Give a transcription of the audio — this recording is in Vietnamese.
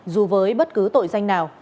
dù với bất cứ tội danh nào